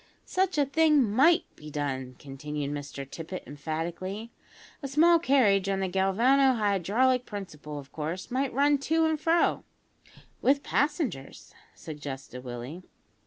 "Such a thing might be done," continued Mr Tippet emphatically; "a small carriage on the galvano hydraulic principle, of course might run to and fro " "With passengers," suggested Willie.